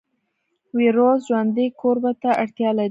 ویروس ژوندي کوربه ته اړتیا لري